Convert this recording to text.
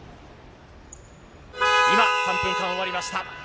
今、３分間終わりました。